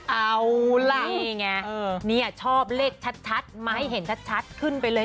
เอาล่ะนี่ไงนี่ชอบเลขชัดมาให้เห็นชัดขึ้นไปเลย